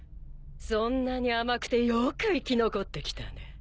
そんなに甘くてよく生き残ってきたね。